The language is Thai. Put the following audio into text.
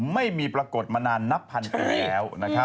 ไม่มีปรากฏมานานนับพันปีแล้ว